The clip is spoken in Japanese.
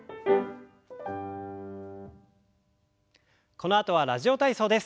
このあとは「ラジオ体操」です。